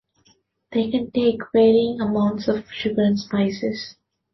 They can take varying amounts of sugar and spices.